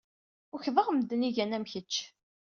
Ukḍeɣ medden ay igan am kečč.